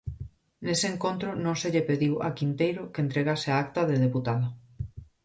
Nese encontro non se lle pediu a Quinteiro que entregase a acta de deputada.